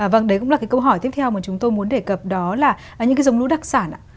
vâng đấy cũng là cái câu hỏi tiếp theo mà chúng tôi muốn đề cập đó là những cái giống lúa đặc sản ạ